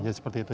jadi seperti itu